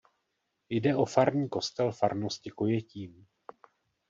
Jde o farní kostel farnosti Kojetín.